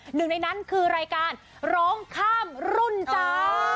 หนึ่งในนั้นคือรายการร้องข้ามรุ่นจ้า